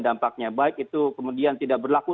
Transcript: dampaknya baik itu kemudian tidak berlaku